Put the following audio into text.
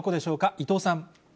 伊藤さん。